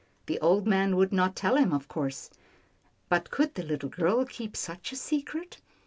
The old man would not tell him of course, but could the little girl keep such a "secret